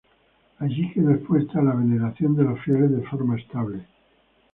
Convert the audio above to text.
Allí quedó expuesta a la veneración de los fieles de forma estable.